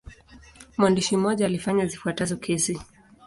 Mwandishi mmoja alifanya zifuatazo kesi.